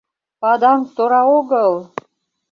— Паданг тора огыл!